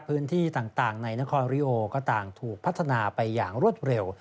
พื้นที่ต่างในนครริโอก็ต่างถูกพัฒนาไปอย่างรวดเร็ว